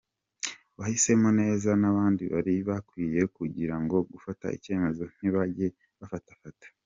Wahisemo neza nabandi bari bakwiye ku kwigiraho gufata icyemezo ntibajye bafatafata.